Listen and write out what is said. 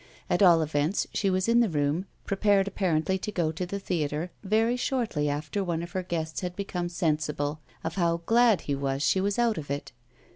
At all events she was in the room, prepared apparently to go to the theatre, very shortly after one of her guests had become sensible of how glad he was she was out of it.